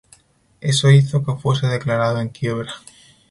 Eso hizo que fuese declarado en quiebra.